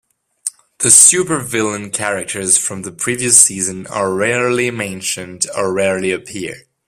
The super villain characters from the previous season are rarely mentioned or rarely appear.